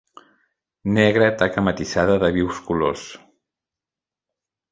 Negra taca matisada de vius colors.